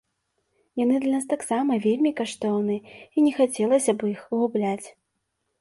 Яны для нас таксама вельмі каштоўныя і не хацелася б іх губляць.